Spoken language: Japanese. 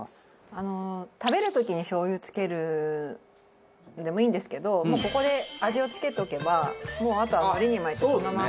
あの食べる時にしょう油つけるのでもいいんですけどもうここで味を付けておけばもうあとはのりに巻いてそのまんまパクッといける。